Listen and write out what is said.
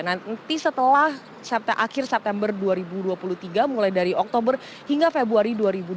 nanti setelah akhir september dua ribu dua puluh tiga mulai dari oktober hingga februari dua ribu dua puluh